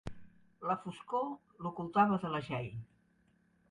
La foscor l'ocultava de la Jeanne.